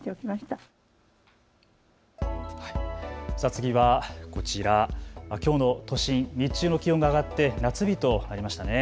次はこちら、きょうの都心、日中の気温が上がって夏日となりましたね。